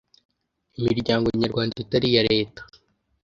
Imiryango nyarwanda itari iya Leta